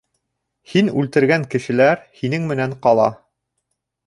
Һин үлтергән кешеләр һинең менән ҡала.